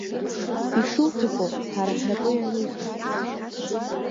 Ишуҭаху, ҳара ҳнапы ианузеи!